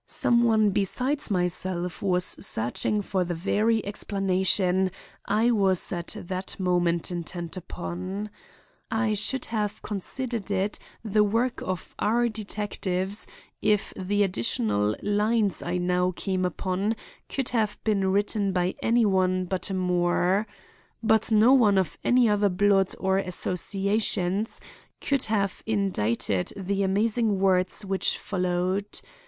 Some one besides myself was searching for the very explanation I was at that moment intent upon. I should have considered it the work of our detectives if the additional lines I now came upon could have been written by any one but a Moore. But no one of any other blood or associations could have indited the amazing words which followed.